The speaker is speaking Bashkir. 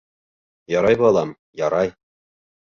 Ярай, балам, ярай...